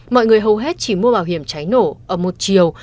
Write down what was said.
mọi người hầu hết chỉ mua bảo hiểm cháy nổ ở một chiều